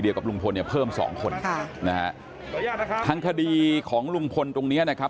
กับลุงพลเนี่ยเพิ่มสองคนค่ะนะฮะทางคดีของลุงพลตรงเนี้ยนะครับ